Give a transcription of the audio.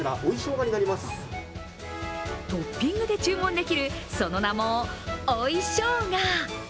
トッピングで注文できる、その名も追いしょうが。